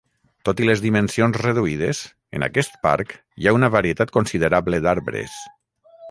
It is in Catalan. Tot i les dimensions reduïdes, en aquest parc hi ha una varietat considerable d'arbres.